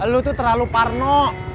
lo tuh terlalu parno